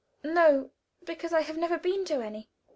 "No; because I have never been to any."